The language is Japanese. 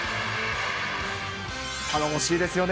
頼もしいですよね。